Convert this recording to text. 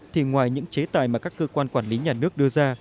thì ngoài những chế tài mà các cơ quan quản lý nhà nước đưa ra